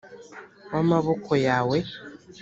w amaboko yawe